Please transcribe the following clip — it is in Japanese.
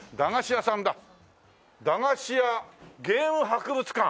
「駄菓子屋ゲーム博物館」